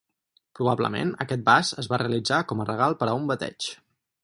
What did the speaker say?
Probablement aquest vas es va realitzar com a regal per a un bateig.